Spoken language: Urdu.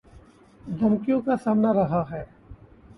دھمکیوں کا سامنا رہا ہے